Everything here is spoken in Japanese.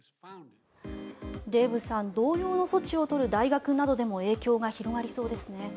デーブさん同様の措置を取る大学などでも影響が広がりそうですね。